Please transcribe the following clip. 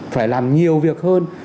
phải làm nhiều việc hơn